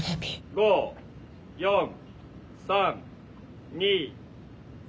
・５４３２。